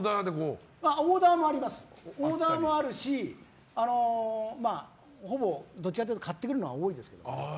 オーダーもあるしほぼ、どっちかというと買ってくるのが多いですけど。